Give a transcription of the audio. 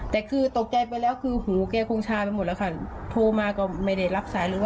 แต่คือตกใจไปแล้วคือหูแก้คงชาไปหมดแล้วค่ะโทรมาก็ไม่ได้รับสายหรือว่าอย่างเงี้ยค่ะ